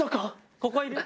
ここいるよ。